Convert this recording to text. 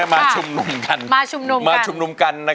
มาชุมนมกัน